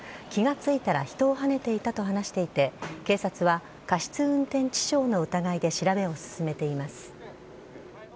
気がついたら人をはねていたと話していて、警察は過失運転致死傷の疑いで調べを進めています。